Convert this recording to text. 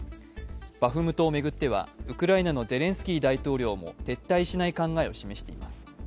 バフムトを巡っては、ウクライナのゼレンスキー大統領も撤退しない考えを示しています。